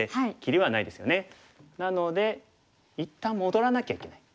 なので一旦戻らなきゃいけない。